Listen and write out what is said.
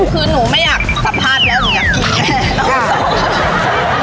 คือหนูไม่อยากสัมภาษณ์แล้วหนูอยากกินแค่น้องต่อ